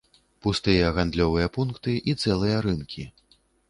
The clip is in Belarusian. Пустыя гандлёвыя пункты і цэлыя рынкі.